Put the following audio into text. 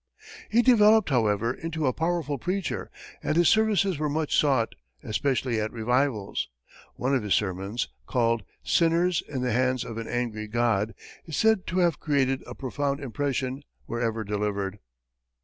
He developed, however, into a powerful preacher, and his services were much sought, especially at revivals. One of his sermons, called "Sinners in the Hands of an Angry God," is said to have created a profound impression wherever delivered.